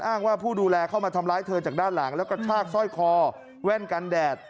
ว่าผู้ดูแลเข้ามาทำร้ายเธอจากด้านหลังแล้วก็ชากสร้อยคอแว่นกันแดด